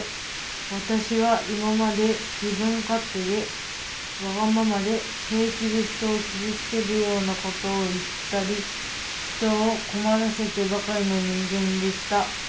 私は今まで自分勝手でわがままでへいきで人をキズつけるような事を言ったり人を困らせてばかりの人間でした。